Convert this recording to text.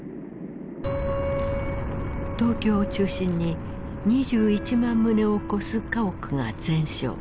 東京を中心に２１万棟を超す家屋が全焼。